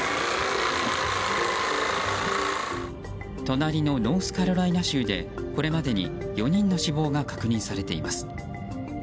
隣のノースカロライナ州でこれまでに４人の死亡が確認されています。